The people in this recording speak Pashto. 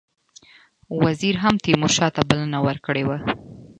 وزیر هم تیمورشاه ته بلنه ورکړې وه.